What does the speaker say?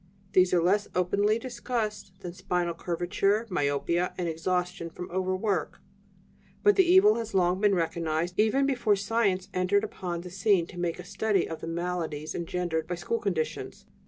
These are less openly discussed than spinal curvature, myopia, and exhaustion from overwork, but the evil has long been recognized, even before science entered upon the scene to make a study of the maladies engendered by school conditions.